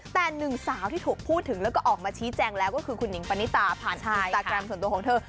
แต่หนึ่งสาวที่ถูกพูดถึงแล้วก็ออกมาชี้แจงแล้วก็คือคุณหิงปณิตาผ่านอินสตาแกรมส่วนตัวของเธอ